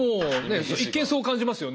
一見そう感じますよね。